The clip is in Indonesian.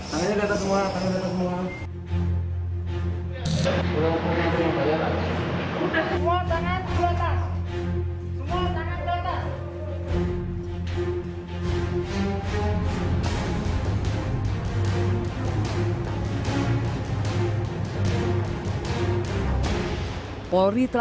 tangan tangan semua tangan tangan semua